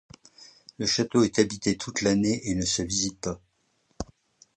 Le château est habité toute l'année et ne se visite pas.